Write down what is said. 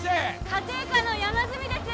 家庭科の山住です